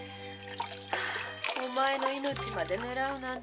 お前の命まで狙うなんて。